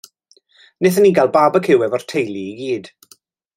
Nathon ni gael barbeciw efo'r teulu i gyd.